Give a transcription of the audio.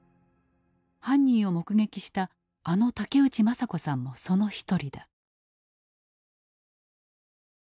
犯人を目撃したあの竹内正子さんもその一人だ。